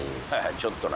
ちょっとな。